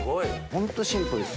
ホントシンプルです。